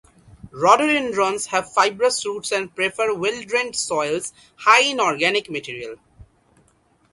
Rhododendrons have fibrous roots and prefer well-drained soils high in organic material.